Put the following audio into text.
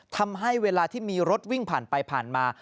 ทำให้เวลาที่มีรถวิ่งผ่านไปผ่านมา